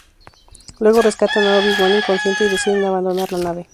Luego rescatan a Obi-Wan inconsciente y deciden abandonar la nave.